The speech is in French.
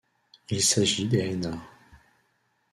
Il s'agit des Aenars.